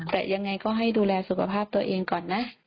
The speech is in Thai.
แต่ยังไงก็ให้ดูแลสุขภาพตัวเองก่อนนะ